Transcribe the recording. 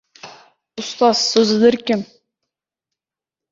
Ustod so‘zidirkim: